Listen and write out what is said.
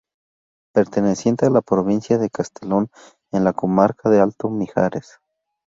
Perteneciente a la provincia de Castellón en la comarca del Alto Mijares.